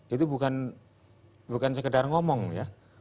itu bukan sekedar ngomong ya